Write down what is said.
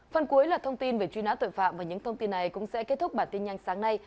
phần cuối là thông tin về truy nã tội phạm và những thông tin này cũng sẽ kết thúc bản tin nhanh sáng nay